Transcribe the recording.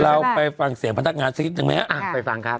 เราไปฟังเสียงพนักงานซิจังมั้ยฮะอ่ะไปฟังครับ